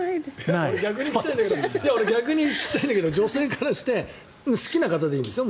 逆に聞きたいんだけど女性からして好きな方でいいんですよ